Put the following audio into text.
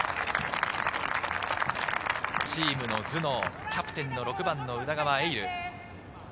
チームの頭脳、キャプテンの６番・宇田川瑛